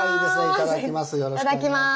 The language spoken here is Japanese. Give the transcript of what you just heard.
いただきます。